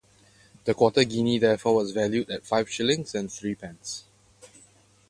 The quarter guinea therefore was valued at five shillings and threepence.